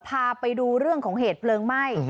พาไปดูเรื่องของเหตุเพลิงไหม้